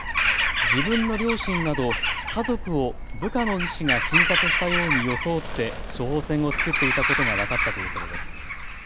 自分の両親など家族を部下の医師が診察したように装って処方箋を作っていたことが分かったということです。